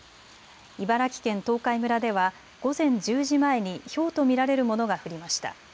茨城県東海村では午前１０時前にひょうと見られるものが降りました。